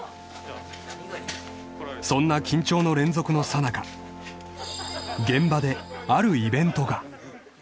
［そんな緊張の連続のさなか現場であるイベントが］